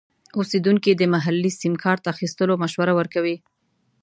اوسیدونکي د محلي سیم کارت اخیستلو مشوره ورکوي.